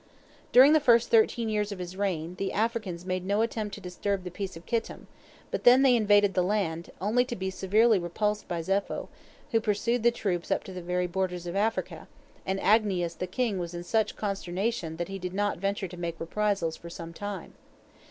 During the first thirteen years of his reign, the Africans made no attempt to disturb the peace of Kittim, but then they invaded the land, only to be severely repulsed by Zepho, who pursued the troops up to the very borders of Africa, and Agnias the king was in such consternation that he did not venture to make reprisals for some time.